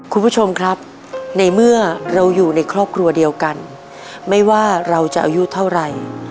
คุณผู้ชมครับในเมื่อเราอยู่ในครอบครัวเดียวกันไม่ว่าเราจะอายุเท่าไหร่